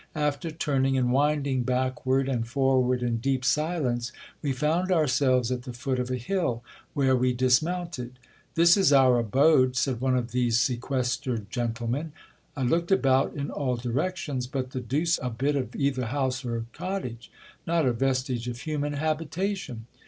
After turning and winding backward and forward in deep silence, we found ourselves at the foot of a hill, where we dismounted. This is our abode, said one of these sequestered gentlemen. I looked about in all directions, but the deuce a bit of either house or cottage : not a vestige of human habitation